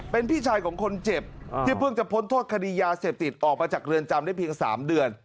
เป็นพี่ชายของคนเจ็บที่เพิ่งจะพ้นโทษคดียาเสพติดออกมาจากเรือนจำได้เพียง๓เดือน